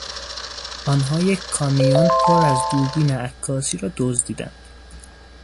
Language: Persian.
آنها یک کامیون پر از دوربین عکاسی را دزدیدند.